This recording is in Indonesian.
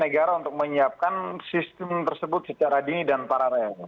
negara untuk menyiapkan sistem tersebut secara dini dan paralel